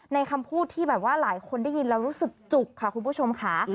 คำพูดที่แบบว่าหลายคนได้ยินแล้วรู้สึกจุกค่ะคุณผู้ชมค่ะ